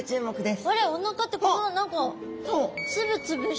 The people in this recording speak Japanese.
あれお腹ってこんな何かつぶつぶした。